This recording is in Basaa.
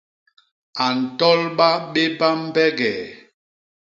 A ntôlba béba mbegee.